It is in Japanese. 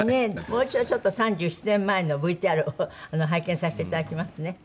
もう一度ちょっと３７年前のＶＴＲを拝見させていただきますね。